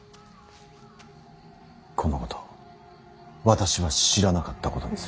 このこと私は知らなかったことにする。